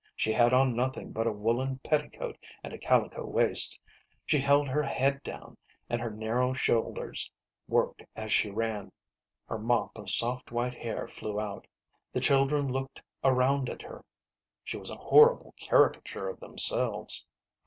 She had on nothing but a woollen petticoat and a calico waist ; she held her head down, and her narrow shoulders worked as she ran ; her mop of soft white hair flew out. The children looked around at her; she was a horrible caricature of themselves.